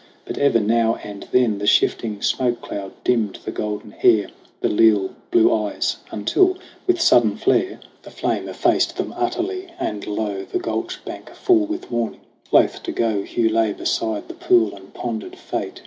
But ever now and then The shifting smoke cloud dimmed the golden hair, The leal blue eyes ; until with sudden flare 44 SONG OF HUGH GLASS The flame effaced them utterly and lo, The gulch bank full with morning ! Loath to go, Hugh lay beside the pool and pondered fate.